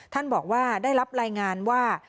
ท่านบอกว่าได้รับรายงานว่า